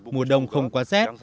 mùa đông không quá rét